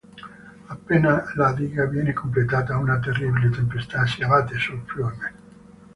Appena la diga viene completata, una terribile tempesta si abbatte sul fiume.